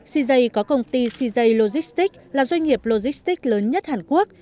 cj có công ty cj logistics là doanh nghiệp logistics lớn nhất hàn quốc